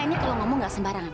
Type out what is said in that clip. ke belakang sekarang